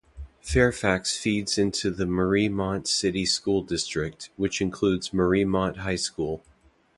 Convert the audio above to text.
Fairfax feeds into the Mariemont City School District, which includes Mariemont High School.